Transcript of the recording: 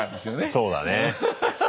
そうだね。